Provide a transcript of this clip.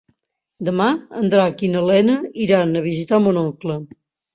Demà en Drac i na Lena iran a visitar mon oncle.